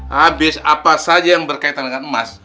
habis apa saja yang berkaitan dengan emas